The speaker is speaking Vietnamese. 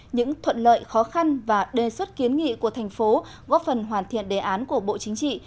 những thuận lợi khó khăn và đề xuất kiến nghị của thành phố góp phần hoàn thiện đề án của bộ chính trị